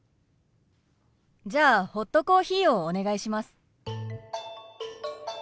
じゃあホットコーヒーをお願いします。